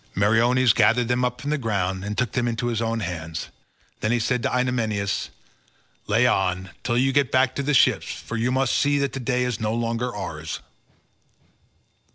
Meriones gathered them up from the ground and took them into his own hands, then he said to Idomeneus, "Lay on, till you get back to the ships, for you must see that the day is no longer ours."